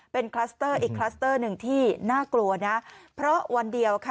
เป็นคลัสเตอร์อีกคลัสเตอร์หนึ่งที่น่ากลัวนะเพราะวันเดียวค่ะ